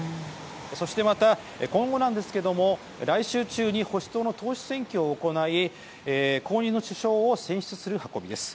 そして、今後なんですが来週中に保守党の党首選挙を行い後任の首相を選出する運びです。